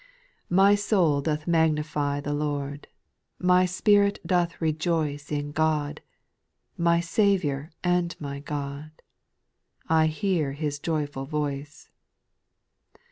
2. My soul doth magnify the Lord, My spirit doth rejoice In God, my Saviour and my God ; I hear His joyful voice.